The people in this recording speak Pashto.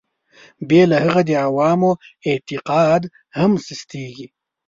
بې له هغه د عوامو اعتقاد هم سستېږي.